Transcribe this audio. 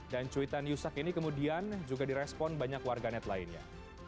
dan cuitan yusak ini kemudian juga direspon banyak warganet lainnya